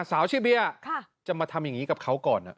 สาวชื่อเบียร์จะมาทำอย่างนี้กับเขาก่อน